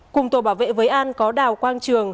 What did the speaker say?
cùng tổ bảo vệ với an có đào quang trường